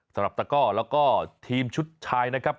สำหรับตาก้อแล้วก็ทีมชุดไทยนะครับ